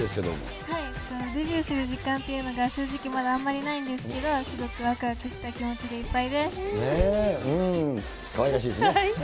デビューする実感というのが、正直まだあんまりないんですけれども、すごくわくわくした気持ちかわいらしいですね。